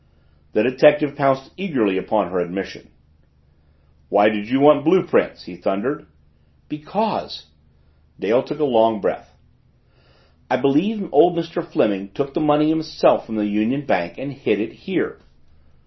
The detective pounced eagerly upon her admission. "Why did you want blue prints?" he thundered. "Because," Dale took a long breath, "I believe old Mr. Fleming took the money himself from the Union Bank and hid it here."